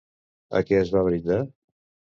A què es va brindar?